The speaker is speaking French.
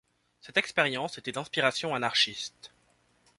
Cette expérience était d'inspiration anarchiste.